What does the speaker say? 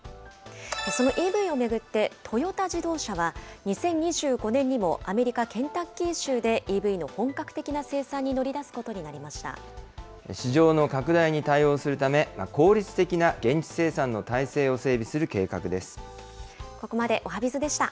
そのＥＶを巡って、トヨタ自動車は、２０２５年にもアメリカ・ケンタッキー州でＥＶの本格的な生産に市場の拡大に対応するため、効率的な現地生産の体制を整備する計画です。